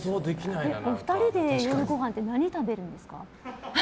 お二人で夜ごはんって何食べるんですか？